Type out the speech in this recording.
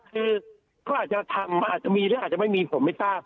คือเขาอาจจะทำอาจจะมีหรืออาจจะไม่มีผมไม่ทราบ